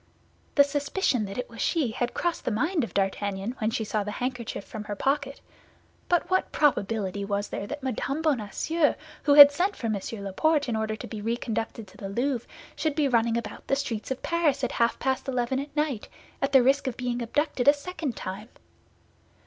The suspicion that it was she had crossed the mind of D'Artagnan when she drew the handkerchief from her pocket; but what probability was there that Mme. Bonacieux, who had sent for M. Laporte in order to be reconducted to the Louvre, should be running about the streets of Paris at half past eleven at night, at the risk of being abducted a second time?